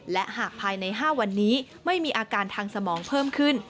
และหากภายใน๕วันนี้ไม่มีอาการทางสมองเพิ่มขึ้น